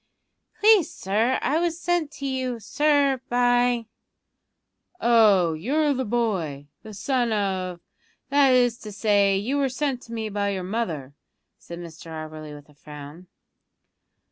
"Please, sir, I was sent to you, sir, by " "Oh, you're the boy, the son of that is to say, you were sent to me by your mother," said Mr Auberly with a frown.